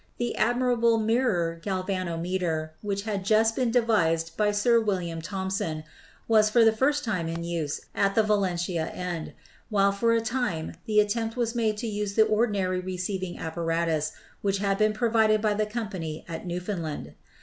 The admirable mirror galvanometer, which had just been devised by Sir William Thomson, was for the first time in use at the Valentia end, while for a time the attempt was made to use the ordinary receiving apparatus which had been pro vided by the company at Newfoundland.